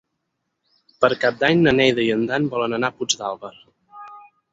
Per Cap d'Any na Neida i en Dan volen anar a Puigdàlber.